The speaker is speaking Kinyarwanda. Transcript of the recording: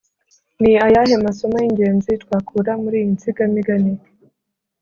ni ayahe masomo y’ingenzi twakura muri iyi nsigamigani?